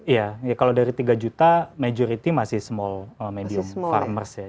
iya kalau dari tiga juta majority masih small medium farmers ya